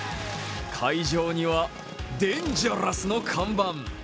会場にはデンジャラスの看板。